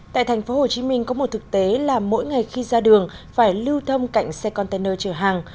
tại thành phố hồ chí minh có một thực tế là mỗi ngày khi ra đường phải lưu thông cạnh xe container chở hàng